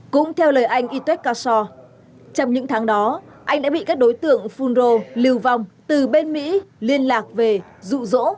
cũng theo lời anh y tuét ca so trong những tháng đó anh đã bị các đối tượng phun rồ lưu vong từ bên mỹ liên lạc về dụ dỗ